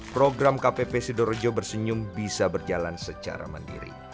program kp pesidorjo bersenyum bisa berjalan secara mandiri